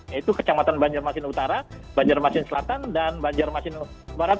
yaitu kecamatan banjarmasin utara banjarmasin selatan dan banjarmasin barat